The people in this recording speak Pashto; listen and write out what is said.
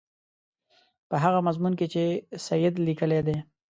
په هغه مضمون کې چې سید لیکلی دی.